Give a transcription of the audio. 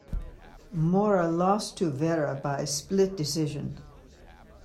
Mora lost to Vera by split decision.